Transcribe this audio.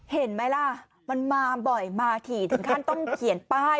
เห็นไหมล่ะมันมาบ่อยมาถี่ถึงขั้นต้องเขียนป้าย